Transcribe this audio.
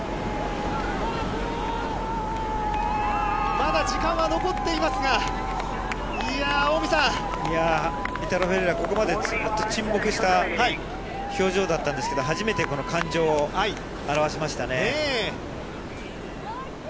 まだ時間は残っていますが、いやー、いやー、イタロ・フェレイラ、ここまでずっと沈黙した表情だったんですけど、初めてこの感情を表しましたね。